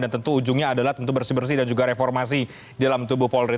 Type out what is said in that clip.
tentu ujungnya adalah tentu bersih bersih dan juga reformasi di dalam tubuh polri